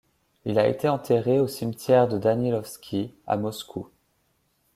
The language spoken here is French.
Il a été enterré au cimetière de Danilovski, à Moscou.